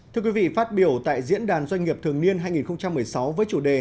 thưa quý vị phát biểu tại diễn đàn doanh nghiệp thường niên hai nghìn một mươi sáu với chủ đề